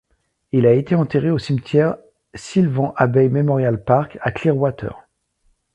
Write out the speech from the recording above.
Il a été enterré au cimetière Sylvan Abbey Memorial Park à Clearwater.